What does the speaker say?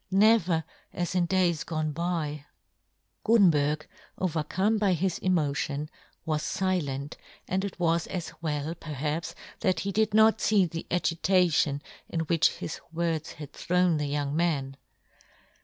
never as in days ' gone by !" Gutenberg, overcome by his emo tion, was filent, and it was as well, perhaps, that he did not fee the agi tation in which his words had thrown the young man.